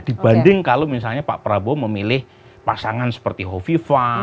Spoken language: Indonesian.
dibanding kalau misalnya pak prabowo memilih pasangan seperti hovifa